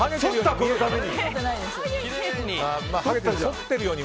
このために。